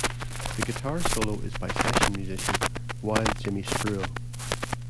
The guitar solo is by session musician Wild Jimmy Spruill.